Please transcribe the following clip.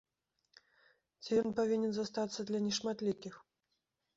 Ці ён павінен застацца для нешматлікіх?